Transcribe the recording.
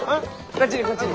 こっちにこっちに。